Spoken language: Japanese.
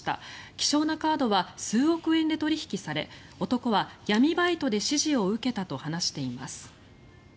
希少なカードは数億円で取引され男は、闇バイトで指示を受けたと話しています。